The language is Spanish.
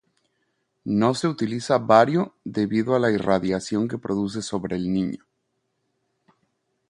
No se utiliza bario debido a la irradiación que produce sobre el niño.